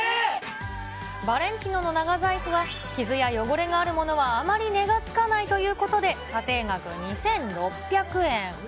ヴァレンティノの長財布は、汚れや傷があるものはあまり値がつかないということで、査定額２６００円。